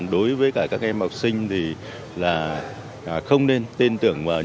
đối với các em học sinh thì là không nên tin tưởng vào những